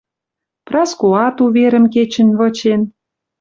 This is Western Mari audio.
Праскоат уверӹм кечӹнь вычен